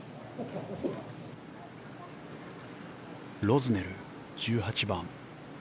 ロズネル、１８番。